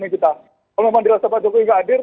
kalau pemerintah pak jokowi tidak hadir